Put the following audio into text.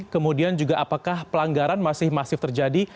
kemudian juga apakah pelanggaran masih masif terjadi